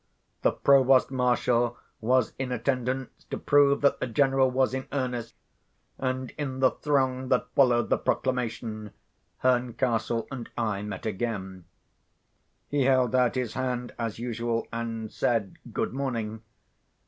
The provost marshal was in attendance, to prove that the General was in earnest; and in the throng that followed the proclamation, Herncastle and I met again. He held out his hand, as usual, and said, "Good morning."